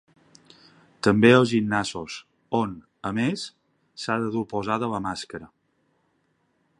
També als gimnasos, on, a més, s’ha de dur posada la màscara.